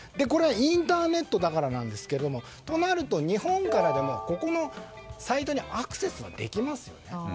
インターネットだからなんですがとなると日本からでもサイトにアクセスはできますよね。